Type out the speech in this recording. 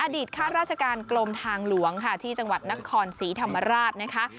ข้าราชการกลมทางหลวงค่ะที่จังหวัดนครศรีธรรมราชนะคะ